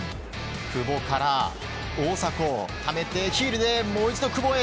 久保から、大迫ためて、ヒールでもう一度、久保へ。